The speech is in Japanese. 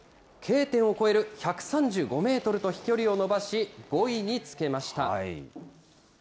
Ｋ点を超える１３５メートルと飛距離を伸ばし、５位につけました。